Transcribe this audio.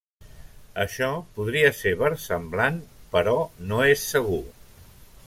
Això podria ser versemblant però no és segur.